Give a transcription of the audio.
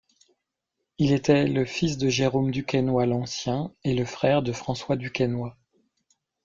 Il était le fils de Jérôme Duquesnoy l'Ancien et le frère de François Duquesnoy.